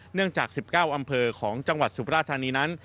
เนื่องจาก๑๙อำเภอของจังหวัดสุราธานีนั้น